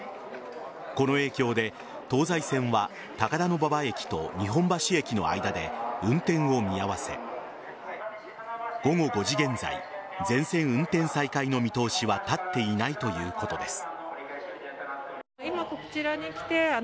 この影響で東西線は高田馬場駅と日本橋駅の間で運転を見合わせ午後５時現在全線運転再開の見通しは立っていないということです。